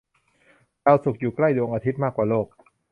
ดาวศุกร์ อยู่ใกล้ดวงอาทิตย์มากกว่าโลก